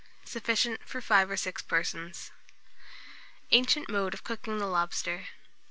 Sufficient for 5 or 6 persons. ANCIENT MODE OF COOKING THE LOBSTER.